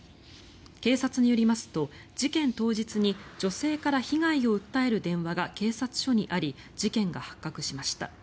警察によりますと、事件当日に女性から被害を訴える電話が警察署にあり事件が発覚しました。